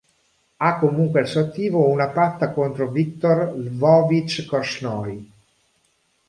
Ha comunque al suo attivo una patta contro Viktor L'vovič Korčnoj.